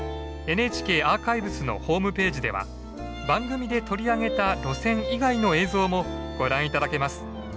ＮＨＫアーカイブスのホームページでは番組で取り上げた路線以外の映像もご覧頂けます。